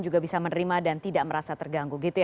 juga bisa menerima dan tidak merasa terganggu